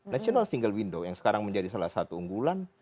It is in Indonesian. national single window yang sekarang menjadi salah satu unggulan